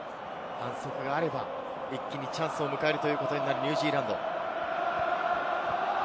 反則があれば、一気にチャンスを迎えるということになるニュージーランド。